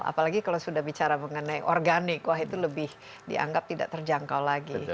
apalagi kalau sudah bicara mengenai organik wah itu lebih dianggap tidak terjangkau lagi